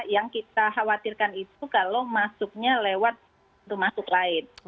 yang kita khawatirkan itu kalau masuknya lewat rumah klien